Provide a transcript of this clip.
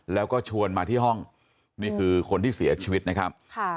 แล้วก็ชวนมาที่ห้องนี่คือคนที่เสียชีวิตนะครับ